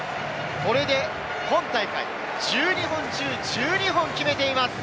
これで今大会、１２本中１２本、決めています。